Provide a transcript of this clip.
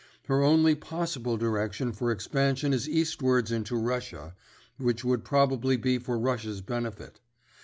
Her only possible direction for expansion is eastwards into Russia, which would probably be for Russia's benefit.